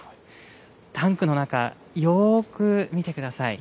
タンクの中、よーく見てください。